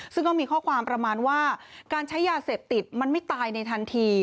ซึ่งก็มีข้อความประมาณว่าการใช้ยาเสพติดมันไม่ตายในทันที